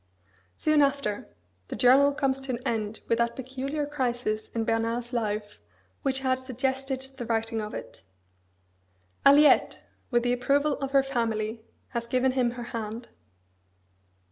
Soon after, the journal comes to an end with that peculiar crisis in Bernard's life which had suggested the writing of it. Aliette, with the approval of her family, has given him her hand.